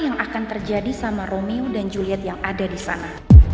yang akan terjadi sama romeo dan juliet yang ada di sana